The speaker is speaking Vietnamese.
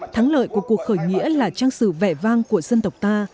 thắng lợi của cuộc khởi nghĩa là trang sử vẻ vang của dân tộc ta